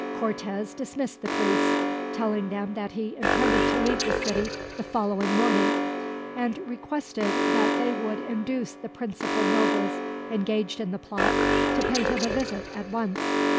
Cortez dismissed the priests, telling them that he intended to leave the city the following morning, and requested that they would induce the principal nobles engaged in the plot to pay him a visit, at once.